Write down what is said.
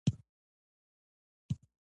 لیک د فکر غږ دی.